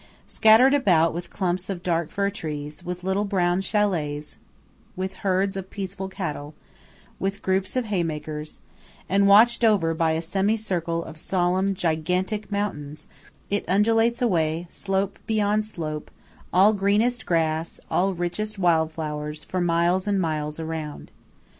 Scattered about with clumps of dark fir trees, with little brown châlets with herds of peaceful cattle, with groups of haymakers, and watched over by a semicircle of solemn, gigantic mountains, it undulates away, slope beyond slope, all greenest grass, all richest wild flowers, for miles and miles around.